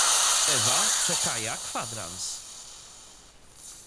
Ewa czekaia kwadrans.